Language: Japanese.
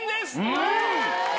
うん！